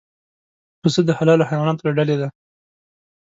پسه د حلالو حیواناتو له ډلې دی.